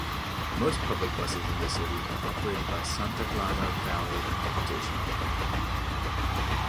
Most public buses in the city are operated by Santa Clara Valley Transportation Authority.